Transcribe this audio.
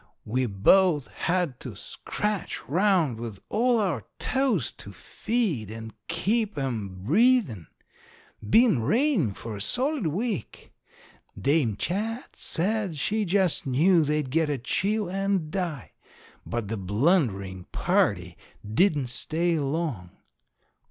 We both had to scratch round with all our toes to feed and keep 'em breathin'. Been rainin' for a solid week. Dame Chat said she just knew they'd get a chill and die. But the blunderin' party didn't stay long.